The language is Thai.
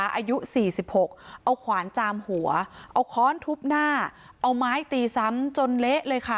อายุสี่สิบหกเอาขวานจามหัวเอาค้อนทุบหน้าเอาไม้ตีซ้ำจนเละเลยค่ะ